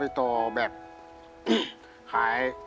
คัดผู้ชาย